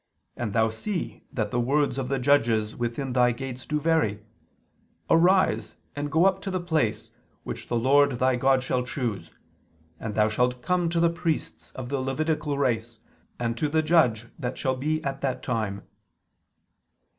. and thou see that the words of the judges within thy gates do vary; arise and go up to the place, which the Lord thy God shall choose; and thou shalt come to the priests of the Levitical race, and to the judge that shall be at that time."